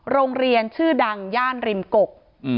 โรงเรียนชื่อดังย่านริมกก